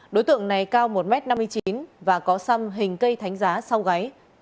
đối tượng này cao một m năm mươi chín và có xăm hình cây thánh giá sau gáy